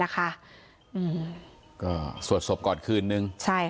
ก็สวดศพก่อนคืนนึง